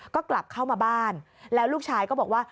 ก็กลับเข้ามาบ้านแล้วลูกชายก็บอกว่า